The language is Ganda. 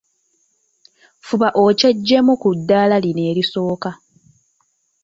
Fuba okyeggyeemu ku ddala lino erisooka.